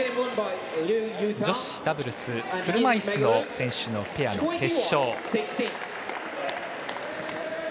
女子ダブルス車いすの選手のペアの決勝。